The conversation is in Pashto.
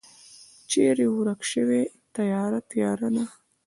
چیری ورک شوی تیاره، تیاره ده